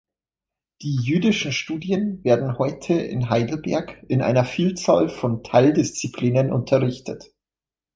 Die Jüdischen Studien werden heute in Heidelberg in einer Vielzahl von Teildisziplinen unterrichtet.